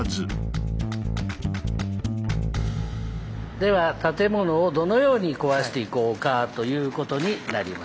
では建物をどのように壊していこうかということになります。